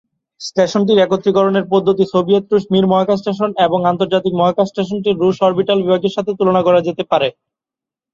স্টেশনটির একত্রীকরণের পদ্ধতিটি সোভিয়েত-রুশ মির মহাকাশ স্টেশন এবং আন্তর্জাতিক মহাকাশ স্টেশনটির রুশ অরবিটাল বিভাগের সাথে তুলনা করা যেতে পারে।